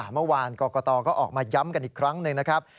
เมื่อวานกรกตก็ออกมาย้ำกันอีกครั้งหนึ่งนะครับ